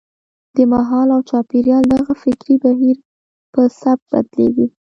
د مهال او چاپېریال دغه فکري بهیر په سبک بدلېږي.